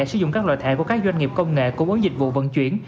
sử dụng các loại thẻ của các doanh nghiệp công nghệ cung ứng dịch vụ vận chuyển